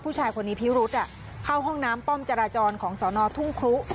ผู้ชายคนนี้พิรุษเข้าห้องน้ำป้อมจราจรของสอนอทุ่งครุ